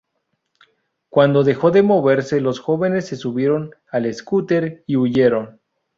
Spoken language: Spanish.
Cuando dejó de moverse, los jóvenes se subieron al scooter y huyeron.